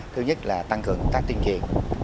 thứ nhất là tăng cường công tác tiên triệt